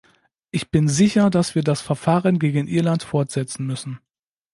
Ich bin sicher, dass wir das Verfahren gegen Irland fortsetzen müssen.